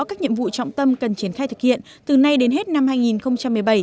các nhiệm vụ trọng tâm cần triển khai thực hiện từ nay đến hết năm hai nghìn một mươi bảy